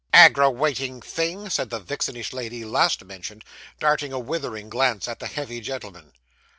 'Aggrawatin' thing!' said the vixenish lady last mentioned, darting a withering glance at the heavy gentleman.